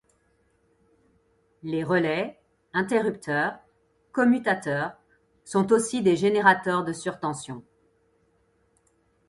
Les relais, interrupteurs, commutateurs sont aussi des générateurs de surtensions.